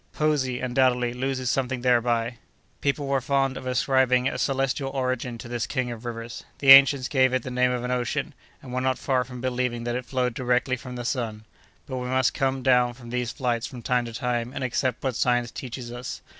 Poesy, undoubtedly, loses something thereby. People were fond of ascribing a celestial origin to this king of rivers. The ancients gave it the name of an ocean, and were not far from believing that it flowed directly from the sun; but we must come down from these flights from time to time, and accept what science teaches us.